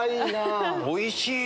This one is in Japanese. おいしい！